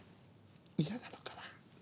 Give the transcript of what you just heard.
嫌なのかな？